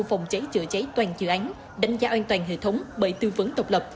phòng cháy chữa cháy toàn dự án đánh giá an toàn hệ thống bởi tư vấn độc lập